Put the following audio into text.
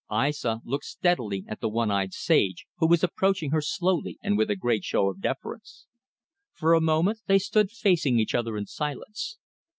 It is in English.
Aissa looked steadily at the one eyed sage, who was approaching her slowly and with a great show of deference. For a moment they stood facing each other in silence.